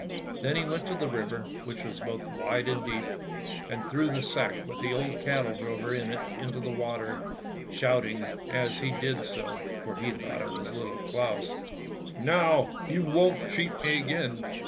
" Then he went on to the river, which was both wide and deep, and threw the sack with the old cattle drover in it into the water, shouting as he did so (for he thought it was Little Claus), "Now, you won't cheat me again!